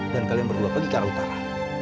dan kalian berdua pergi ke arah utara